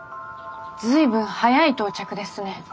随分早い到着ですね。